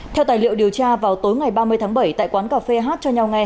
theo tài liệu điều tra vào tối ngày ba mươi tháng bảy tại quán cà phê hát cho nhau nghe